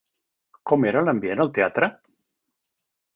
Com era l'ambient al teatre?